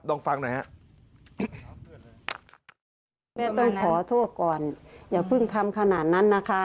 ลองฟังหน่อยฮะ